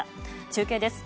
中継です。